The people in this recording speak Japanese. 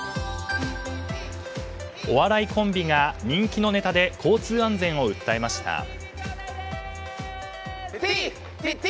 お笑いコンビが人気のネタで交通安全を訴えました。